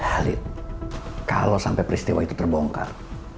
halid kalau sampai peristiwa itu terbongkar